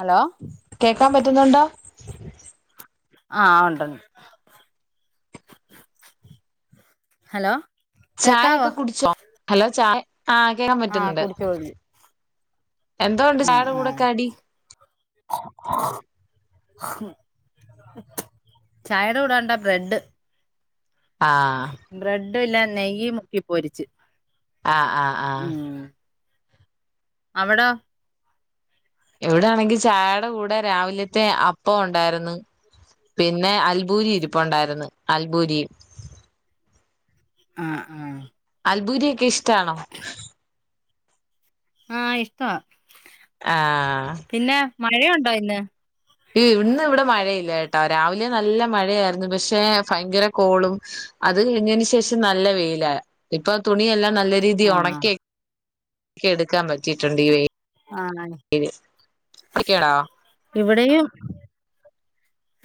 Hello കേക്കാൻ പറ്റുന്നുണ്ടോ? ആഹ ഉണ്ട് ണ്ട് [inaudible] ഹലോ ചായ കേക്കാവോ ഒക്കെ കുടിച്ചോ ഹലോ ചായ ആഹ കേക്കാൻ ആഹ് പറ്റുന്നുണ്ട്. കുടിച്ചു കഴിഞ്ഞു എന്തോണ്ട് ആഹ് ചായടെ കൂടെ ആഹ് ക്കടി. ചായടെ കൂടെണ്ടാ ബ്രെഡ് ആ [unintelligible] നെയ്യ് മുക്കി പോരിച്ച് ആ ആ ആ അവിടൊ ഇവിടാണെങ്കി ചായട കൂടെ രാവിലത്തെ അപ്പം ഉണ്ടാര്ന്ന് പിന്നെ അൽബൂരി ഇരിപ്പുണ്ടായിരുന്നു അൽബൂരി ആഹ ആഹ് അൽബൂരിയൊക്കെ ഇഷ്ടാണോ ആ ഇഷ്ടവാ ആ പിന്നെ മഴയുണ്ടോ ഇന്ന് ഇന്ന് ഇവിടെ മഴയില്ലട്ടോ രാവിലെ നല്ല മഴയായിര്ന്നു പക്ഷെ ഭയങ്കര കോളും അത് കഴിഞ്ഞന് ശേഷം നല്ല വെയില ഇപ്പൊ തുണിയെല്ലാം നല്ല രീതീൽ ആഹ് ഒണക്കി ക്കെടുക്കാൻ പറ്റിട്ടുണ്ട് ഈ വെയിലില് ആഹ് ഇ ഇകേടാ ഇവിടെയും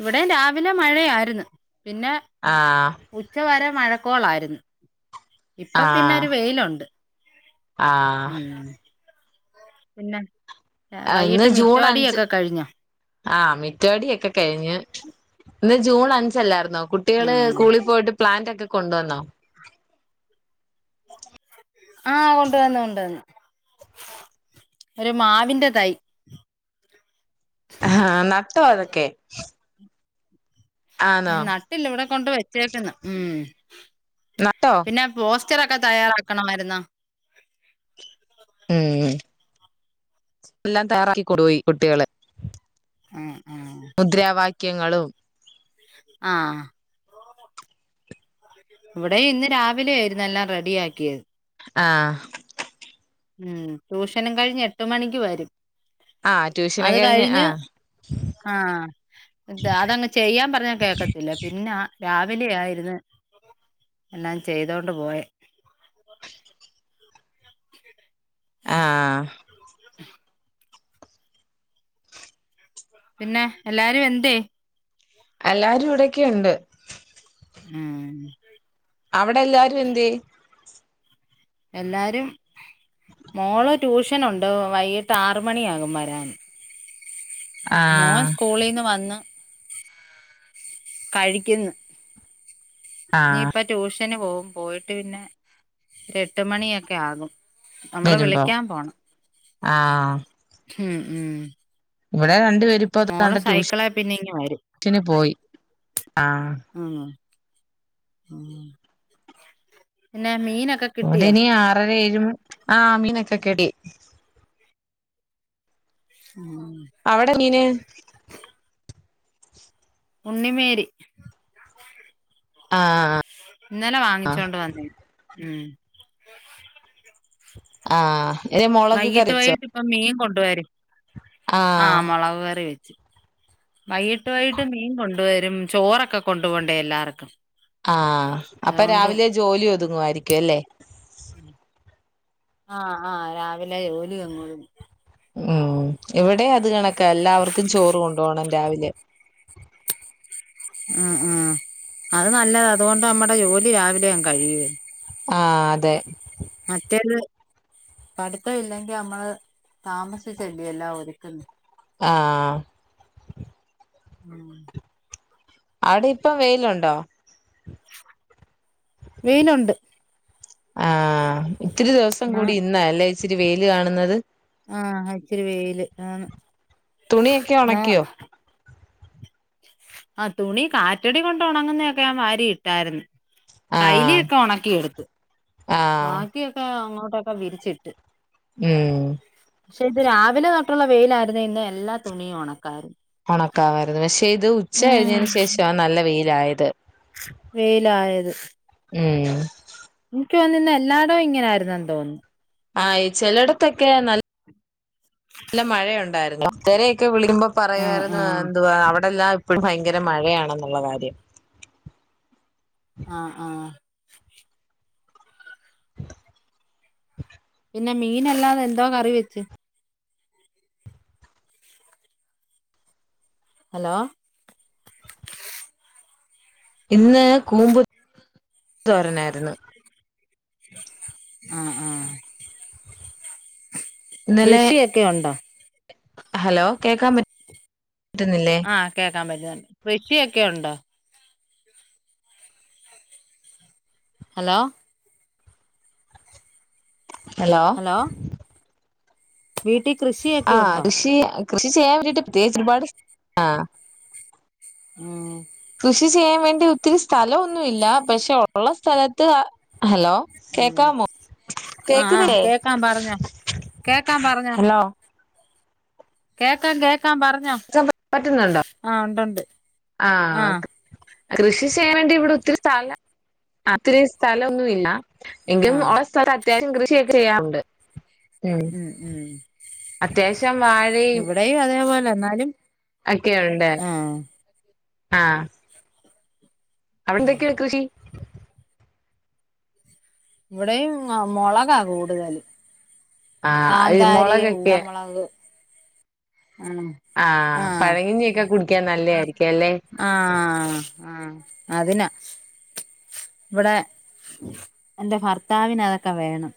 ഇവിടേം രാവിലെ മഴയാര്ന്ന് പിന്നെ ആഹ് ഉച്ചവാരം മഴക്കോളാരുന്നു ഇപ്പൊ ആഹ് പിന്നൊരു വെയിലുണ്ട് ആഹ് ഉം പിന്നെ വൈകിട്ട് മിറ്റവടിയൊക്കെ കഴിഞൊ ആ മിറ്റവടിയൊക്കെ കഴിഞ്ഞ് ഇന്ന് ജൂൺ അഞ്ചല്ലായിരുന്നൊ കുട്ടികള് ആഹ് സ്കൂളിൽ പോയിട്ട് പ്ലാന്റ് ഒക്കെ കൊണ്ടുവന്നോ ആ കൊണ്ട് വന്ന് കൊണ്ടുവന്ന് ഒരു മാവിന്റെ തൈ ആ നട്ടോ അതൊക്കെ ആന്നോ നട്ടില്ല ഇവിടെ കൊണ്ട് വെച്ചേക്കുന്നു മം നട്ടോ? പിന്നെ പോ ച്ചറൊക്കെ തയ്യാറാക്കണമായിരുന്നോ ഉം എല്ലാം തയ്യാറാക്കികൊടുയി കുട്ടികള് ഉം ഉം മുദ്രാവാക്യങ്ങളും ആ ഇവിടെ ഇന്ന് രാവിലെ ആയിരുന്ന് എല്ലാം റെഡി ആക്കിയത് ആ ഉം ട്യൂഷനും കഴിഞ്ഞ് എട്ട് മണിക്ക് വരും ആ ട്യൂഷനൊക്കെ കഴിഞ്ഞ് ആ ആ ഇത അതങ്ങ് ചെയ്യാൻ പറഞ്ഞാ കേക്കത്തില്ല പിന്നാ രാവിലെ ആയിരുന്നു എല്ലാം ചെയ്തോണ്ട് പോയെ [inaudible] ആ പിന്നെ എല്ലാരും എന്തെ എല്ലാരും ഇവിടൊക്കെ ണ്ട് ഉം അവിടെ എല്ലാരും എന്ത്യെ എല്ലാരും മോള് ട്യൂഷനുണ്ട് വൈകിട്ട് ആറ് മണിയാകും വരാൻ മോൻ ആഹ് സ്കൂളീന്ന് വന്നു കഴിക്കുന്ന് ഇനി ആഹ് ഇപ്പ ട്യൂഷന് പോവും പോയിട്ട് പിന്നെ ഒരു എട്ട് മണിയൊക്കെ ആകും നമ്മള് വരുമ്പോ വിളിക്കാൻ പോണം ആഹ് ഉം ഉം ഇവിടെ രണ്ട് വേരുപ്പ അത് മോള് കണ്ട ട്യൂഷ് സൈക്കിളെ പിന്നെ ഇങ്ങ് വരും ഷന് പോയി ആ ആണോ പിന്നെ മീനൊക്കെ ഒടനി കിട്ടിയോ ഇനി ആറെര ഏഴ്മ ആ ആമീനൊക്കെക്കെടി ഉം അവിടെ ങ്ങനെ ഉണ്ണിമേരി ആഹ ഇന്നലെ വാങ്ങിച്ചൊണ്ട് വന്നേണ് ഉം ആഹ വൈകീട്ട് വൈകിട്ട് ഇപ്പ മീൻ കൊണ്ട് വരും ആഹ ആഹ് മുളക്കറി വെ വൈകീട്ട് വൈകട്ട് മീൻ കൊണ്ട വരും ചോറൊക്കെ കൊണ്ട് പോണ്ടേ എല്ലാർക്കും ആഹ അപ്പ അതുകൊണ്ട് രാവിലെ ജോലി ഒതുങ്ങുവായിരിക്കും അല്ലേ ആഹ ആഹ രാവിലെ ജോലി അങ്ങൊതു ഉം ഇവിടെ അത് കണക്കാ എല്ലാവർക്കും ചോറ് കൊണ്ടോണം രാവിലെ ഉം ഉം അത് ന്നല്ലതാ അതുകൊണ്ട് ന്നമ്മടെ ജോലി രാവിലെഅങ്ങ് കഴിയുവേ ആ അതെ മറ്റേത് പഠിത്തം ഇല്ലെങ്കി ന്നമ്മള് താമസിച്ചല്ലേ എല്ലാം ഒരുക്കുന്നേ ആഹ [unintelligible] അവിടെ ഇപ്പം വെയ്ലുണ്ടോ വെയ്ലുണ്ട് ആഹ ഇത്തിരി ദിവസം ആ കൂടി ഇന്നാല്ലേ ഇച്ചിരി വെയ്ല് കാണ്ന്നത് ആഹ ഇച്ചിരി വെയ്ല് ആ തുണിയൊക്കെ ഒണക്കിയോ ആ തുണി കാറ്റടി കൊണ്ട് ഒണങ്ങുന്നൊക്കെ ഞാൻ വാരി ഇട്ടായ്രുന്നു ആഹ് കൈലിയൊക്കെ ഉണക്കിയെടുത്ത് ആഹ് ബാക്കിയൊക്കെ അങ്ങോട്ടൊക്കെ വിരിച്ചിട്ട് ഉം പക്ഷെ ഇത് രാവിലെ തൊട്ടുള്ള വെയ്ലായിരുന്നേ ഇന്ന് എല്ലാ തുണിയും ഒണക്കാര് ഒണക്കാവായിരുന്നു പക്ഷെ ഇത് ഉച്ച കഴിഞ്ഞയ്ന് ശേഷവാ ന്നല്ല വെയ്ലായത് വെയ്ലായത് ഉം എനിക്ക് തോന്ന്ന്ന് ഇന്ന് എല്ലാടോം ഇങ്ങനായിരുന്നെന്ന് തോന്നു ആയി ചെലട്ത്തൊക്കെ ന്നല്ല ന്നല്ല മഴയുണ്ടായിരുന്നു ഒത്തരൊക്കെ വിളിക്കുമ്പോ ആഹ് പറയുവായിര്ന്ന് ആഹ് എന്തു വാ അവടെ ടെല്ലാം ഇപ്പഴും ഭയങ്കര മഴയാണെന്നുള്ള കാര്യം ആഹ ആഹ പിന്നെ മീനല്ലാതെ എന്തോ കറി വെച്ച് ഹലോ ഇന്ന് കൂമ്പ് തോരനായ്ര്ന്ന് ആഹ ആ ഇന്നലെ കൃഷിയെക്കെ ഉണ്ടോ ഹലോ കേക്കാൻ പറ്റ് ആഹ കേക്കാൻ പറ്റുന്നുണ്ട് കൃഷിയൊക്കെ ഉണ്ടോ ഹലോ ഹലോ വീട്ടിൽ ആ കൃഷിയൊക്കെ ഉണ്ടോ കൃഷി കൃഷി ചെയ്യാൻ വേണ്ടിട്ട് [unintelligible] [unintelligible] കൃഷി ചെയ്യാൻ വേണ്ടി ഒത്തിരി സ്ഥലം ഒന്നുല്ല പക്ഷെ ഒള്ള സ്ഥലത്ത് ഹലോ ഉം കേക്കാമോ ആഹ് കേക്ക്ന്ന് ആഹ് ല്ലെ കേക്കാം പറഞ്ഞോ കേക്കാം പറഞ്ഞോ കേക്കാം കേക്കാം പറഞ്ഞോ പറ്റുന്നുണ്ടോ ആ ഒണ്ടണ്ട് ആ ആഹ് കൃഷി ചെയ്യാൻ വേണ്ടി ഇവിടെ ഒത്തിരി സ്ഥലം ഒത്തിരി സ്ഥലൊന്നുല്ല എങ്കിലും ആഹ് ഉള്ള സ്ഥലം അത്യാവശ്യം കൃഷിയൊക്കെ ചെയ്യാറുണ്ട് ഉം ഉം അത്യാവശ്യം ഇവിടെയും അതേപോലെ ന്നാലും ഒക്കെണ്ട് ആ [unintelligible] ഇവിടെയും മൊളകാ കൂടുതല് ആഹ് ഈ കാന്താരി മുളകൊക്കെ ഉണ്ടമുളക് ആണോ ആ പഴങ്ങിഞ്ഞിക്കെ കുടിക്കാൻ നല്ലതായിരിക്കും ആ ആ ആ അതിന് ഇവിടെ എൻ്റെ ഭർത്താവിനതൊക്കെ വേണം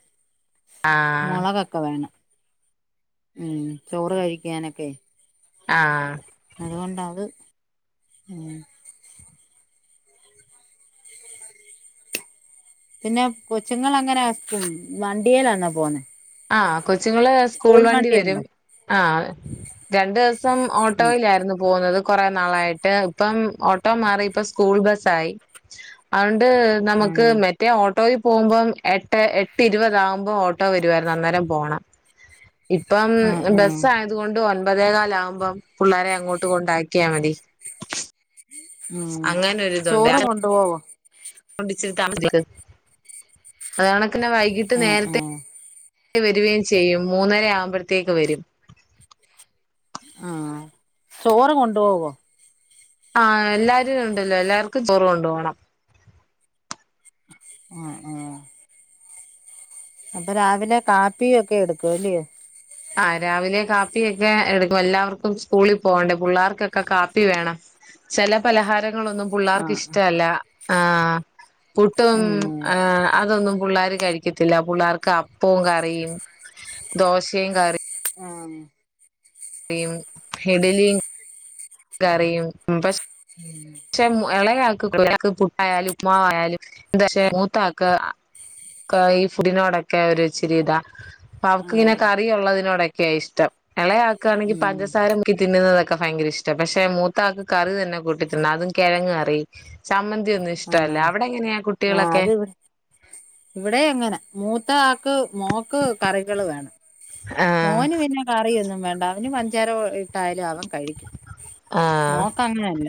ആഹ് മൊളകൊക്കെ വേണം ഉം ചോറ് കഴിക്കാനൊക്കെ ആ അതുകൊണ്ടത് ഉം പിന്നെ കൊച്ചുങ്ങളെങ്ങന വണ്ടിയേലാന്നൊ പോന്ന് ആ കൊച്ചുങ്ങള് സ്കൂൾ വണ്ടി വരും വണ്ടിയുണ്ടോ ആ രണ്ട് ദിവസം സം ഉം ഓട്ടോയിലായിരുന്നു പോകുന്നത് കൊറെ നാളായിട്ട് ഇപ്പം ഓട്ടോ മാറിപ്പ സ്കൂൾ ബസായി ണ്ട് നമുക്ക് ആഹ് മറ്റേ ഓട്ടോയി പോവുമ്പം എട്ട് എട്ടിരുപത് ആവുമ്പോ ഓട്ടോ വരും വരുവായിരുന്നു അന്നേരം പോണം ഇപ്പം ആഹ് ആഹ് ബസായത് കൊണ്ട് ഒ ഒമ്പതേകാലാവുമ്പം പുള്ളാരെ അങ്ങോട്ട് കൊണ്ടാക്കിയാ മതി ഉം അങ്ങനൊരിതൊണ്ട് ചോറ് കൊണ്ടുപോവോ [unintelligible] അതേണക്കിന് വൈകിട്ട് ആഹ് നേരത്തെ ആഹ് വരുവേം ചെയ്യും മൂന്നര ആവുമ്പോഴത്തേക്ക് വരും ആ ചോറ് കൊണ്ടുപോവോ ആ എല്ലാരും ഉണ്ടല്ലോ എല്ലാർക്കും ചോറ് കൊണ്ട്പോണം ആ ആ അപ്പൊ രാവിലെ കാപ്പീ ഒക്കെ എടുക്കുവല്ലിയൊ ആ രാവിലെ കാപ്പിയൊക്കെ എടുക്കും എല്ലാവർക്കും സ്കൂളിൽ പോവണ്ടേ പുള്ളാർക്കൊക്കെ കാപ്പി വേണം ചെല പലഹാരം ങ്ങളൊന്നും പുള്ളാർക്ക് ആഹ് ഇഷ്ടല്ല പുട്ടും ആഹ് അതൊന്നും പുള്ളാര് കഴിക്കത്തില്ല പുള്ളാർക്ക് അപ്പോം കറിയും ദോശേം കറിയും ആ കറിയും ഇഡലിം കറിയും പഷേ [unintelligible] എളകയാക്ക് [unintelligible] പുട്ടായാലും ഉപ്പ്മാവായാലും ത്ക്ഷെ മൂത്താക്ക് ഈ ഫുഡിനോടൊക്കെ ഒരു ഇച്ചിരി ഇതാ അപ്പൊ അവ്ക്ക്ങ്ങനെ ആഹ് കറി ഒള്ളതിനോടൊക്കെയാ ഇഷ്ടം എളയാക്കാണെങ്കി ഉം പഞ്ചസാരക്കി തിന്നുന്നത് ഭയങ്കര ഇഷ്ട പക്ഷെ മൂത്താക്ക് കറി തന്നെ കൂട്ടി തിന്നാതും കെഴങ് കറി ചമ്മന് ആഹ് തിയൊന്നുഷ്ടല്ല അവിടെ എങ്ങനെയാ കുട്ടികളൊക്കെ ഇവിടേങ്ങന മൂത്ത ആക്ക് മോക്ക് കറികള് വേണം ആഹ് മോന് പിന്നെ കറിയൊന്നും വേണ്ട അവന് പഞ്ചാര കോറിയിട്ടായാലും അവൻ കഴിക്കും ആഹ് മോക്ക് അങ്ങനല്ല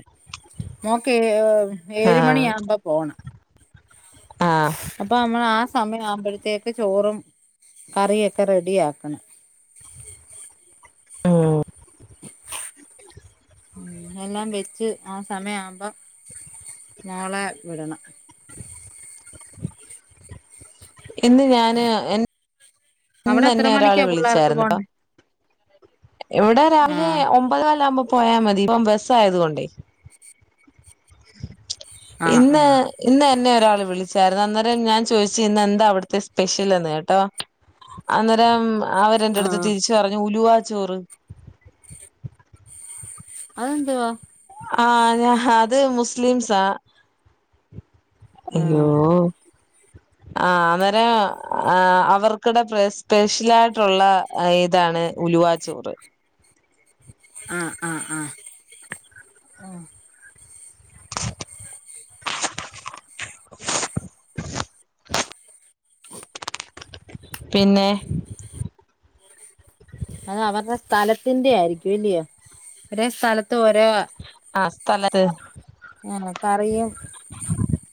മോൾക്ക് ഏ ഏഴ് മണി ആഹ് ആകുമ്പോ പോണം ആഹ് അപ്പൊ അമ്മ ആ സമയം ആവുമ്പോഴത്തേക്ക് ചോറും കറിയൊക്കെ റെഡി ആക്കണം ആ ഉം എല്ലാം വെച്ച് ആ സമയ ആവുമ്പോ മോളെ വിടണം ഇന്ന് ഞാന് അവിടെ എത്ര ഇന്ന്ന്നെ ഒരാള് മണിക്കാ പിള്ളേർക്ക് വിളിച്ചായിുന്നോ പോണ്ടേ എവിടെ രാവിലെ ആഹ് ഒമ്പത് കാല്ല ആവുമ്പോ പോയാ മതി ഇപ്പം ബസ്സ് ആയത് കൊണ്ടേയ്. ആഹ് ഇന്ന് ആഹ് ഇന്ന. ന്നെ ഒരാൾ വിളിച്ചായിരുന്നു അന്നേരം ഞാൻ ചോദിച്ചു ഇന്ന് എന്താ അവിടുത്തെ സ്പെഷ്യൽന്ന് കേട്ടോ. അന്നരം. അവരെന്റെ അടുത്ത് ആഹ് തിരിച് പറഞ്ഞു ഉലുവ ചോറ്. അതെന്തുവാ? ആന ഹ അത് മുസ്ലിംസാ അയ്യോ. ആഹ് ആ അവരേ ആ അവർക്കിടെ സ്പെഷ്യൽ ആയിട്ടുള്ള ഇതാണ് ഉലുവാച്ചോറ് ആ ആ ആ. പിന്നെ. അത അവർടെ സ്ഥലത്തിന്റെ ആയിരിക്കും ഇല്ല്യയോ അവരെ സ്ഥല. തൊര. തലത്. ആ കറിയും.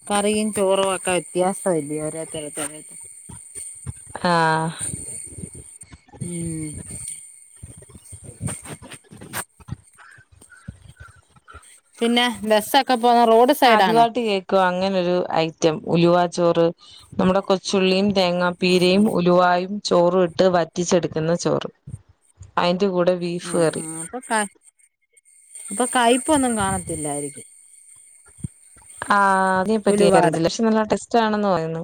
കറിയും ചോറുക്കെ വ്യത്യാസ ഇല്ലേ ഓരോര്ത്തർക്ക്. ആ ഉം പിന്നെ ബെസാക്ക ആദ്യമായിട്ട് കേൾക്കോ അങ്ങനെരു ഐറ്റം ഉലുവാ ചോറ് നമ്മുടെ കൊച്ചുള്ളിയും തേങ്ങാപ്പീരയും ഉം ഉലുവായും ചോറൂ ഇട്ട് വറ്റിച്ചെടുക്കുന്ന ചോറ് അതിന് ഇന്റെ കൂടെ ബീഫ് ഉം കറി. ഉം അപ്പൊ ക അപ്പൊ കയ്പൊന്നും കാണത്തില്ലായിരിക്കും. ആ അതിന ഉലുവാടെ ക്കറിയതില്ല ലക്ഷെ നല്ല ടെസ്റ്റ് ആണന്ന് പറയുന്നു.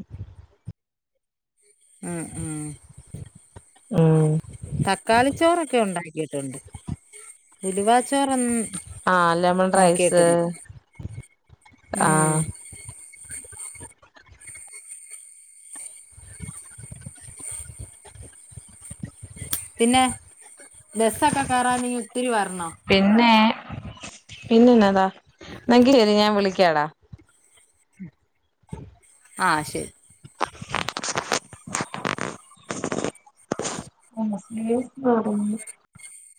അ ആ. ഉം. തക്കാളിച്ചോറൊക്കെ ഉണ്ടാക്കിട്ടുണ്ട് ഉലവാച്ചോറൊ ന്ന് ആ ലെമൺ റൈസ് ആ. ഉം പിന്നെ ബസൊക്കെ കേറാവീ ഒത്തിരി വരണോ? പിന്നന്നതാ എങ്കി ശരി ഞാൻ വിളിക്കാടാ. ആ ശരി. [inaudible]